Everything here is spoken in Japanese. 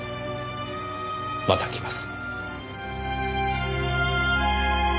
また来ます。